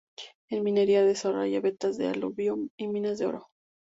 En minería desarrolla vetas de aluvión y minas de oro.